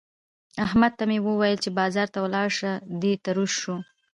احمد ته مې وويل چې بازار ته ولاړ شه؛ دی تروش شو.